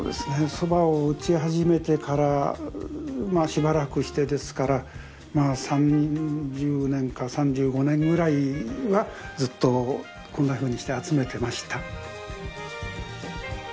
蕎麦を打ち始めてからしばらくしてですから３０年か３５年ぐらいはずっとこんなふうにして集めてました。